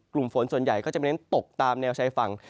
กลุ่มฝนส่วนใหญ่ก็จะเน้นตกตามแนวชายฝั่ง